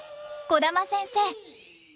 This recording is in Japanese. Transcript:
児玉先生。